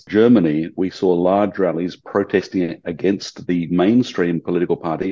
jerman memiliki perhatian besar menyerang partai politik utama